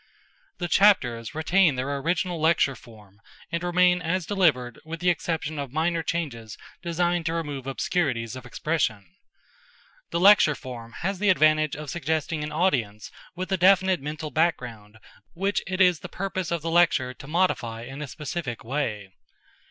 The chapters retain their original lecture form and remain as delivered with the exception of minor changes designed to remove obscurities of expression. The lecture form has the advantage of suggesting an audience with a definite mental background which it is the purpose of the lecture to modify in a specific way.